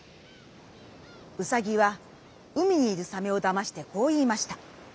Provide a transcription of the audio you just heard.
うさぎは海にいるサメをだましてこう言いました。